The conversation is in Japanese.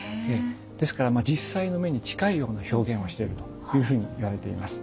ですから実際の目に近いような表現をしているというふうにいわれています。